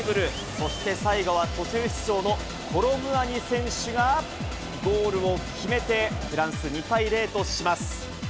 そして最後は途中出場のコロ・ムアニ選手がゴールを決めて、フランス、２対０とします。